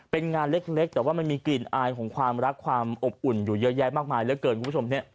เป็นงานเล็กแต่ว่ามันมีกลิ่นอายของความรักความอบอุ่นอยู่เยอะแยะมากมาย